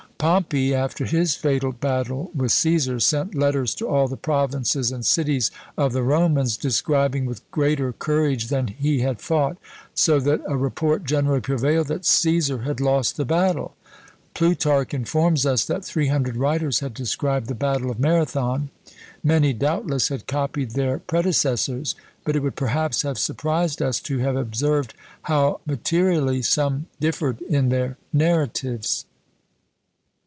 Pompey, after his fatal battle with CÃḊsar, sent letters to all the provinces and cities of the Romans, describing with greater courage than he had fought, so that a report generally prevailed that Caesar had lost the battle: Plutarch informs us, that three hundred writers had described the battle of Marathon. Many doubtless had copied their predecessors; but it would perhaps have surprised us to have observed how materially some differed in their narratives.